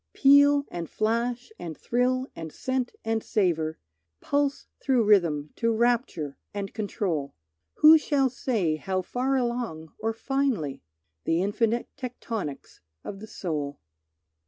Peal and flash and thrill and scent and savour Pulse through rhythm to rapture, and control, Who shall say how far along or finely? The infinite tectonics of the soul.